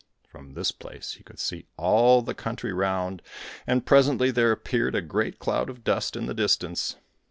From this place he could see all the country round, and presently there appeared a great cloud of dust in the distance.